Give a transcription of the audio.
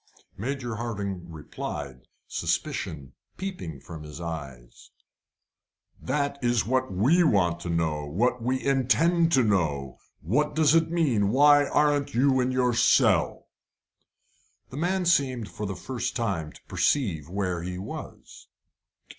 Major Hardinge replied, suspicion peeping from his eyes: "That is what we want to know, and what we intend to know what does it mean? Why aren't you in your cell?" The man seemed for the first time to perceive where he was.